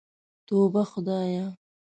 توبه خدايه.